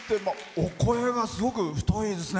お声がすごく太いですね。